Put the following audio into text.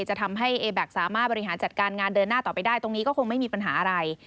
จะทำให้เอแบ็คสามารถบริหารจัดการงานเดินหน้าต่อไปได้ตรงนี้ก็คงไม่มีปัญหาอะไร